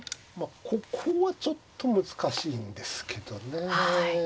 ここはちょっと難しいんですけどね。